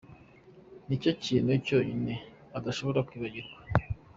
Ni cyo kintu cyonyine adashobora kwibagirwa.